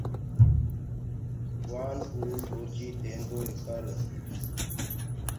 ڀگوآن اُروئو روجي ديديندوئي پر